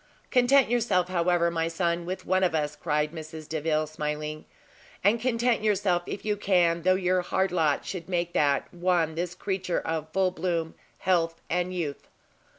"Content yourself, however, my son, with one of us," cried Mrs Delvile, smiling; "and content yourself, if you can, though your hard lot should make that one this creature of full bloom, health, and youth!